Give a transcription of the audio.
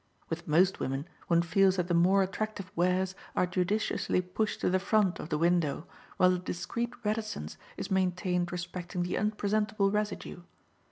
With most women one feels that the more attractive wares are judiciously pushed to the front of the window while a discreet reticence is maintained respecting the unpresentable residue.